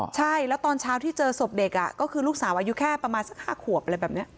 ใช่แล้วตอนเช้าที่เจอศพเด็กก็คือลูกสาวอายุแค่ประมาณสัก๕ขวบอะไรแบบนี้